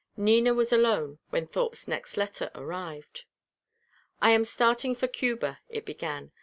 Nina was alone when Thorpe's next letter arrived. "I am starting for Cuba," it began.